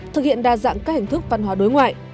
thực hiện đa dạng các hình thức văn hóa đối ngoại